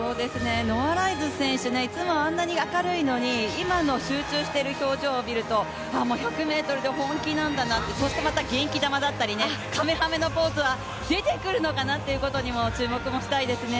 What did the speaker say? ノア・ライルズ選手、いつもあんなに明るいのに今の集中している表情を見ると１００ｍで本気だったんだなと、そしてまた元気玉だったり、かめはめ波のポーズが出てくるのかなということも注目したいですね。